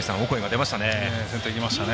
出てきましたね。